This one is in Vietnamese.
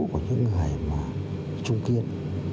của những người trung kiên